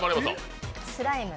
スライム。